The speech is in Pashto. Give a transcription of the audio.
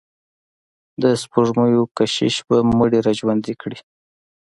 د سپوږمیو کشش به مړي را ژوندي کړي.